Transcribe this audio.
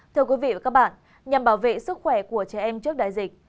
thưa quý vị và các bạn nhằm bảo vệ sức khỏe của trẻ em trước đại dịch